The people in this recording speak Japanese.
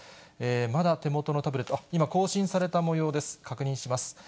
まだ手元のタブレット、あっ、今、更新されたもようです、確認します。